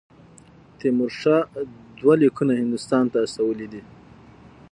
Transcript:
تیمورشاه دوه لیکونه هندوستان ته استولي دي.